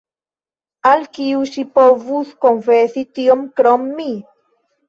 Al kiu ŝi povus konfesi tion krom mi?